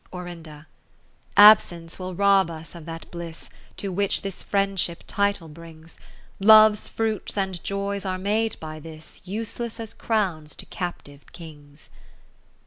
Orin. Absence will rob us of that bliss To which this friendship title brings ; Love's fruits and joys aremadeby this Useless as crowns to captiv'd Kings.